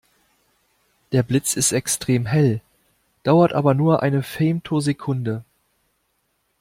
Der Blitz ist extrem hell, dauert aber nur eine Femtosekunde.